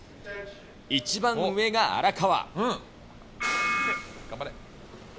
一番上が荒川。